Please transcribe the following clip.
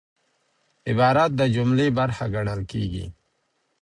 عبارت د جملې برخه ګڼل کېږي.